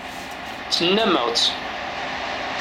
Ttnnameɣ-tt.